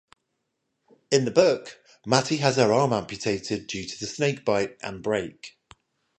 In the book, Mattie has her arm amputated due to the snakebite and break.